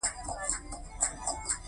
ته څنگه پر هغوى د کفر فتوا کوې.